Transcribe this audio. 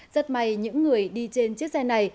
rất may những người đi trên chiếc xe này